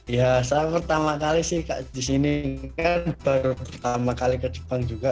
ya saya pertama kali sih kak di sini kan baru pertama kali ke jepang juga